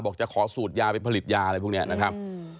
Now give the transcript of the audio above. บอกจะขอสูตรยาไปผลิตยาเลยพวกนี้นะครับ